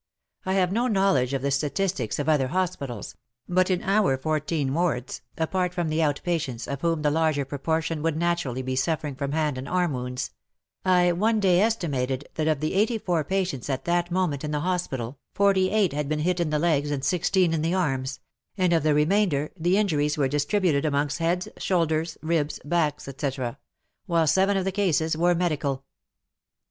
I have no knowledge of the statistics of other hospitals, but in our fourteen wards — apart from the out patients, of whom the larger proportion would naturally be suffering from hand and arm wounds — I one day estimated that of the eighty four patients at that moment in the hospital, forty eight had been hit in the legs and sixteen in the arms ; and of the re mainder, the injuries were distributed amongst heads, shoulders, ribs, back, etc., whilst seven of the cases were medical.